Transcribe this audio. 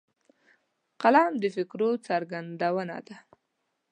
قلم د فکرو څرګندونه ده